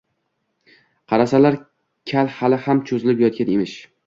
Qarasalar, kal hali ham cho‘zilib yotgan emish